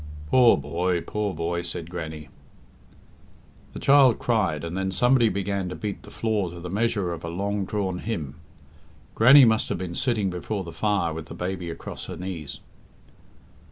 "Poor boy! poor boy!" said Grannie. The child cried, and then somebody began to beat the floor to the measure of a long drawn hymn. Grannie must have been sitting before the fire with the baby across her knees.